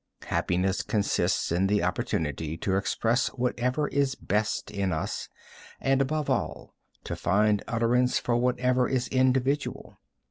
Happiness consists in the opportunity to express whatever is best in us, and above all to find utterance for whatever is individual.